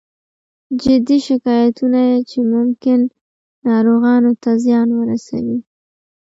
جدي شکایتونه چې ممکن ناروغانو ته زیان ورسوي